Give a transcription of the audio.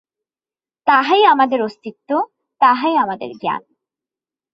তাহাই আমাদের অস্তিত্ব, তাহাই আমাদের জ্ঞান।